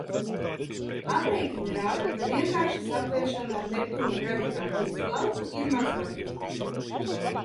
Aprēķini rāda, ka vienkārša satveršana ar Neptūna gravitācijas lauku ir mazvarbūtīga.